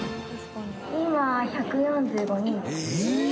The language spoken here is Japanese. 今１４５人です。